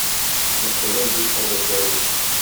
Мөхтәрәм дин кардәшләребез!